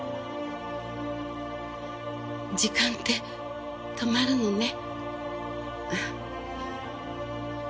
時間って止まるのね。